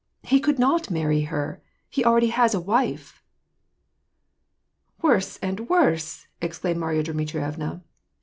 " He could not marry her : he already has a wife." " Woree and worse !" exclaimed Marya Dmitrie vna.